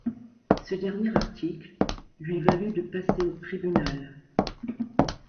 Ce dernier article lui valut de passer au tribunal.